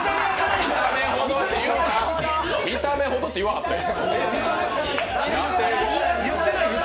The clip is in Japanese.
見た目ほどっていわはったん。